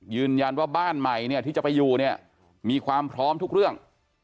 ยืนยันว่าบ้านใหม่ที่จะไปอยู่มีความพร้อมทุกเรื่อง